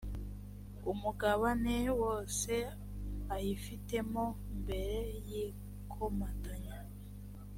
umugabane wose ayifitemo mbere y ikomatanya